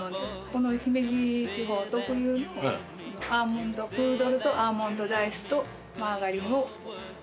この姫路地方特有のアーモンドプードルとアーモンドダイスとマーガリンの。